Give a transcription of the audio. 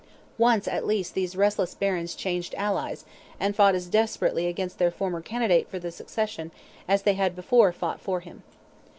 Once at least these restless Barons changed allies, and fought as desperately against their former candidate for the succession as they had before fought for him.